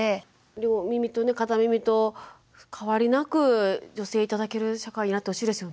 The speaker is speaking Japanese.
両耳と片耳と変わりなく助成頂ける社会になってほしいですよね。